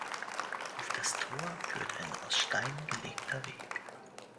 Auf das Tor führt ein aus Steinen gelegter Weg.